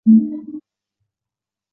非甾体抗雄药不会降低雌激素水平。